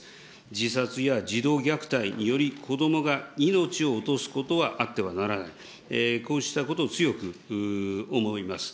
自殺や児童虐待により、子どもが命を落とすことはあってはならない、こうしたことを強く思います。